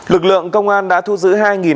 lực lượng công an đã thu giữ hai hai trăm linh